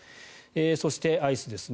そして、アイスですね。